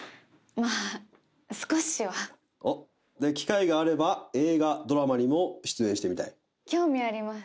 まあ少しはおっで機会があれば映画ドラマにも出演してみたい興味あります